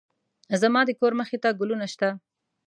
زما د کور مخې ته ګلونه شته